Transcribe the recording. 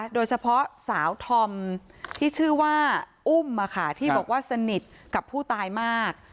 โดยเฉพาะสาวธอมที่ชื่อว่าอุ้มที่บอกว่าสนิทกับผู้ตายมาก